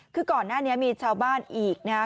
คือก่อนหน้านี้มีชาวบ้านอีกนะครับ